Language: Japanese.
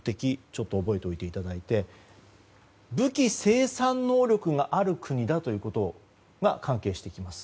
ちょっと覚えておいていただいて武器生産能力がある国だということが関係してきます。